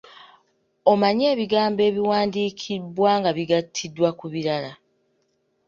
Omanyi ebigambo ebiwandiikibwa nga bigattiddwa ku birala?